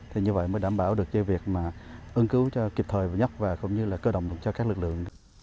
thì như vậy mới đảm bảo được cho việc mà ứng cứu cho kịp thời nhất và cũng như là cơ động được cho các lực lượng